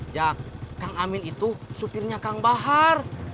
jak kang amin itu supirnya kang bahar